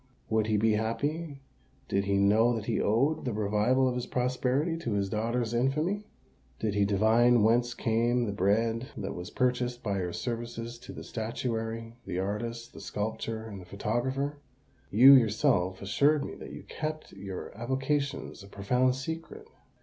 "Would he be happy did he know that he owed the revival of his prosperity to his daughter's infamy?" "Did he divine whence came the bread that was purchased by your services to the statuary, the artist, the sculptor, and the photographer? You yourself assured me that you kept your avocations a profound secret."